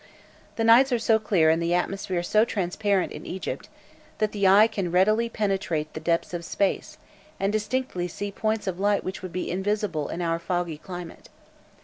The nights are so clear and the atmosphere so transparent in Egypt, that the eye can readily penetrate the depths of space, and distinctly see points of light which would be invisible in our foggy climate.